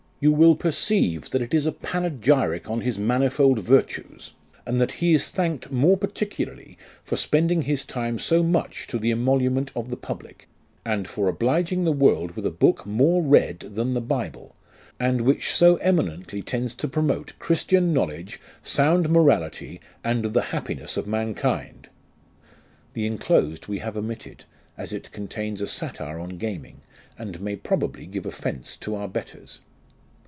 You will perceive that it is a panegyric on his manifold virtues, and that he is thanked more particularly for spending his time so much to the emolument of the public, and for obliging the world with a book more read than the Bible, and which so eminently tends to promote Christian knowledge, sound morality, and the happiness of mankind. "(The inclosed we have omitted, as it contains a satire on gaming, and may probably give offence to our betters.